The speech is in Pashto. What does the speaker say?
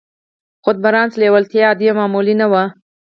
خو د بارنس لېوالتیا عادي او معمولي نه وه.